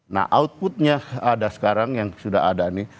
nah outputnya ada sekarang yang sudah ada nih